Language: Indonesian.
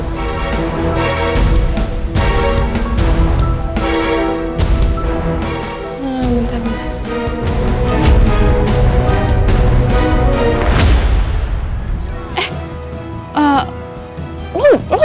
bentar bentar gue cari dulu